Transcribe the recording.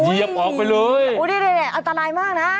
เหยียบออกไปเลยอุ้ยนี่นี่นี่อันตรายมากน่ะ